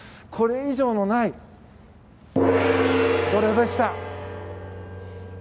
これ以上のない銅鑼でした。